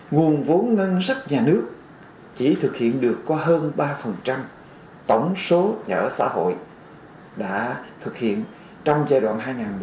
nguồn vốn ngân sách nhà nước chỉ thực hiện được có hơn ba tổng số nhà ở xã hội đã thực hiện trong giai đoạn hai nghìn một mươi sáu hai nghìn hai mươi